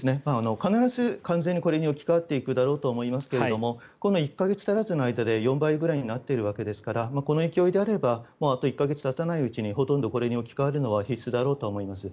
必ず完全にこれに置き換わっていくだろうと思いますが１か月足らずの間で４倍ぐらいになっているわけですからこの勢いであればあと１か月たたないうちにほとんどこれに置き換わるのは必須だろうとは思います。